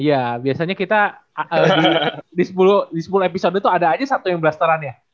iya biasanya kita di sepuluh episode itu ada aja satu yang blasteran ya